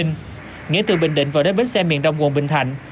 nghĩa từ bình định vào đến bến xe miền đông quận bình thạnh